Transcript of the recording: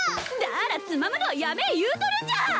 あらつまむのはやめえ言うとるんじゃ！